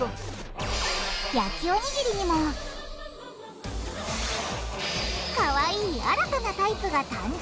焼きおにぎりにもかわいい新たなタイプが誕生！